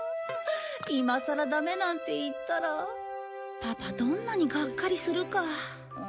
今さらダメなんて言ったらパパどんなにガッカリするか。